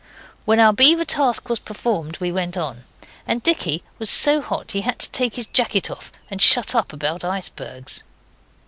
When our beaver task was performed we went on, and Dicky was so hot he had to take his jacket off and shut up about icebergs.